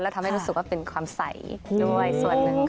ทำให้รู้สึกว่าเป็นความใสด้วยส่วนหนึ่งค่ะ